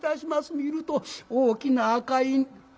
見ると大きな赤犬。